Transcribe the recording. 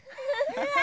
うわ！